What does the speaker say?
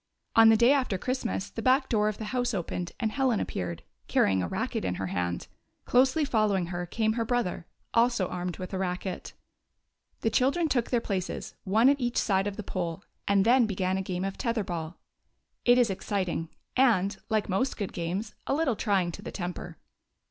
On the day after Christmas the back door of the house opened and Helen appeared, carrying a racket in her hand ; closely following her came her brother, also armed with a racket. The children took their places, one at each side of the pole, and then began a game of tetlier ball. It is exciting, and, like most good games, a little trying to the temper.